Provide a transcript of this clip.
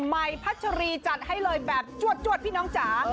พัชรีจัดให้เลยแบบจวดพี่น้องจ๋า